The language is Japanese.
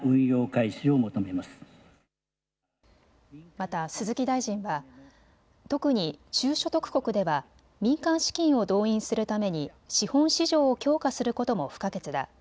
また鈴木大臣は特に中所得国では民間資金を動員するために資本市場を強化することも不可欠だ。